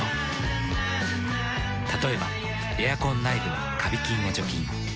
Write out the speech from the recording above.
例えばエアコン内部のカビ菌を除菌。